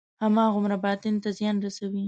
هماغومره باطن ته زیان رسوي.